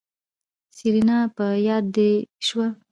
سېرېنا په ياده دې شوه.